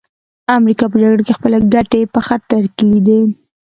امریکا په جګړه کې خپلې ګټې په خطر کې لیدې